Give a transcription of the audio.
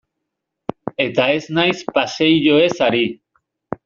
Eta ez naiz paseilloez ari.